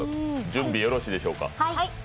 準備よろしいでしょうか。